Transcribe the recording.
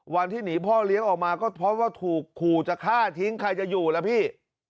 วันที่หนีพ่อเลี้ยงออกมาก็เพราะว่าถูกขู่จะฆ่าทิ้งใครจะอยู่ล่ะพี่